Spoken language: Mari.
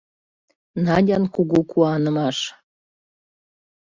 Надян кугу куанымаш.